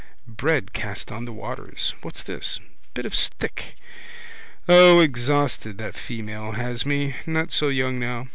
Bread cast on the waters. What's this? Bit of stick. O! Exhausted that female has me. Not so young now.